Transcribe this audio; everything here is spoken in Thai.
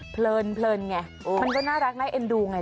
เพลินไงมันก็น่ารักน่าเอ็นดูไง